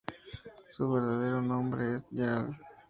Su verdadero nombre es Gerald.